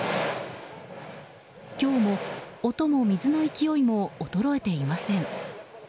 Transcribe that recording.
今日も、音も水の勢いも衰えていません。